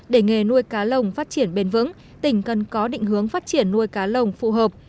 để nghề nuôi cá lồng phát triển bền vững tỉnh cần có định hướng phát triển nuôi cá lồng phù hợp